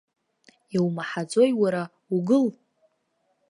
Иумаҳаӡои, уара, угыл!